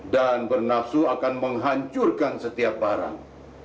dan bernafsu akan menghancurkan setiap barang